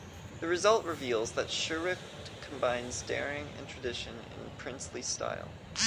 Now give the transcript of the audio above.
The result reveals that Schuricht combines daring and tradition in a princely style.